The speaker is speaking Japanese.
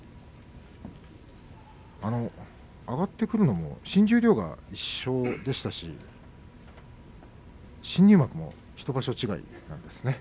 上がってくるのも新十両が一緒でしたし新入幕も１場所違いなんですね。